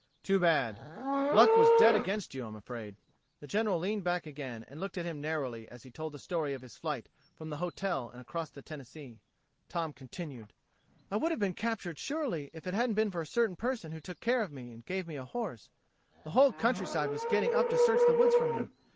Too bad.... Luck was dead against you, I'm afraid." The General leaned back again and looked at him narrowly as he told the story of his flight from the hotel and across the Tennessee. Tom continued: "I would have been captured surely if it hadn't been for a certain person who took care of me, and gave me a horse. The whole countryside was getting up to search the woods for me.